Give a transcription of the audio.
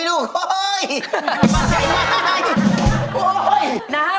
จะจ๊ะอะอะอะอะอะ